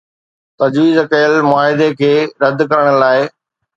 تجويز ڪيل معاهدي کي رد ڪرڻ لاء